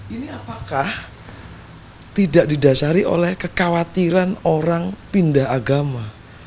ini apakah tidak didasari oleh kekhawatiran orang pindah agama